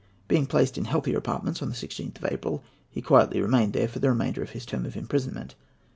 Being placed in healthier apartments on the 16th of April, he quietly remained there for the remainder of his term of imprisonment.